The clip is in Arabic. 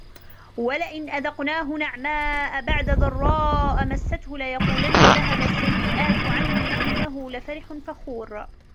ولئن أذقناه نعماء بعد ضراء مسته ليقولن ذهب السيئات عني إنه لفرح فخور